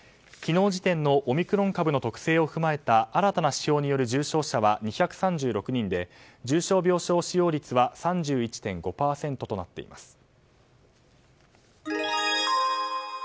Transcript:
昨日時点のオミクロン株の特性を踏まえた新たな指標による重症者は２３６人で重症病床使用率は３１．５％となっています。